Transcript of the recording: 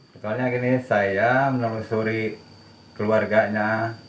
soalnya gini saya menelusuri keluarganya